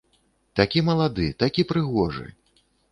Такі малады, такі прыгожы!